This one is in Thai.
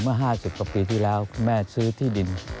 เมื่อ๕๐กว่าปีที่แล้วคุณแม่ซื้อที่ดิน